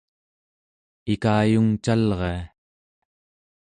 ikayungcalria